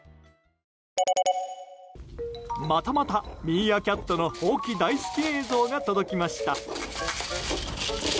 またまた、ミーアキャットのほうき大好き映像が届きました。